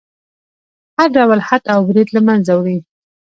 هر ډول حد او برید له منځه وړي.